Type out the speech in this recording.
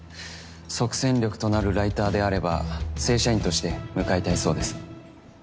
即戦力となるライターであれば正社員として迎えたいそうです。